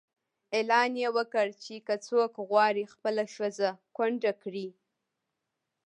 اعلان یې وکړ چې که څوک غواړي خپله ښځه کونډه کړي.